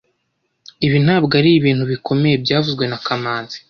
Ibi ntabwo ari ibintu bikomeye byavuzwe na kamanzi